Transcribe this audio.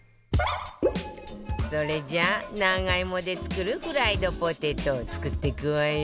それじゃ長芋で作るフライドポテト作っていくわよ